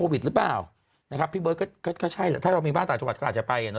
หรือเปล่านะครับพี่เบิร์ตก็ก็ใช่ถ้าเรามีบ้านต่างจังหวัดก็อาจจะไปอ่ะเน